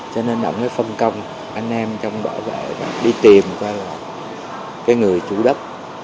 cho nên ông mới phân công anh em trong bảo vệ và đi tìm cái người chủ đất